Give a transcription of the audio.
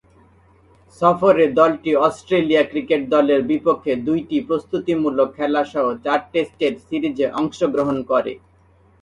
সফরে দলটি Australia cricket দলের বিপক্ষে দুইটি প্রস্তুতিমূলক খেলাসহ চার টেস্টের সিরিজে অংশগ্রহণ করে।